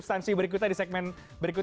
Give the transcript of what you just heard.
tapi terlepas itu semua